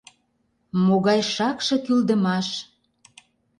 — Могай шакше кӱлдымаш!